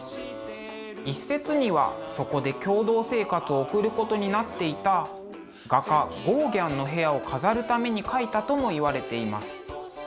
一説にはそこで共同生活を送ることになっていた画家ゴーギャンの部屋を飾るために描いたともいわれています。